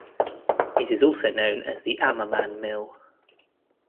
It is also known as the Ammerman Mill.